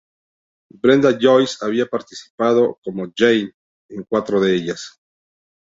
Brenda Joyce había participado como "Jane" en cuatro de ellas.